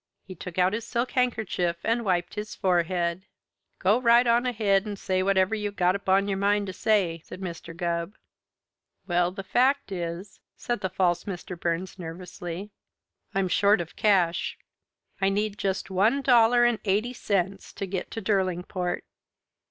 He took out his silk handkerchief and wiped his forehead. "Go right on ahead and say whatever you've got upon your mind to say," said Mr. Gubb. "Well, the fact is," said the false Mr. Burns nervously, "I'm short of cash. I need just one dollar and eighty cents to get to Derlingport!"